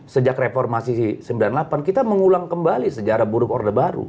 sejak reformasi sembilan puluh delapan kita mengulang kembali sejarah buruk orde baru